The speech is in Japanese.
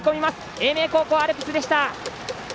英明高校アルプスでした！